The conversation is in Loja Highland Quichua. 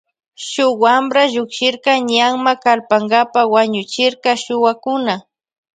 Shun wampra llukshirka ñanma kallpankapa wañuchirka shuwakuna.